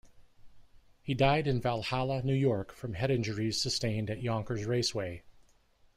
He died in Valhalla, New York from head injuries sustained at Yonkers Raceway.